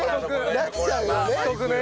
なっちゃうよね。